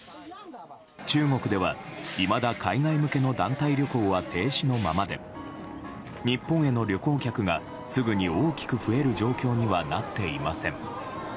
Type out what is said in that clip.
中国では、いまだ海外向けの団体旅行は停止のままで日本への旅行客がすぐに大きく増える状況にはなっていません。